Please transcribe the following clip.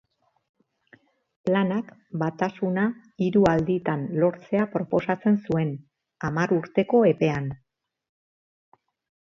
Planak batasuna hiru alditan lortzea proposatzen zuen, hamar urteko epean.